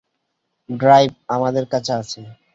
Drive আমাদের কাছে আছে।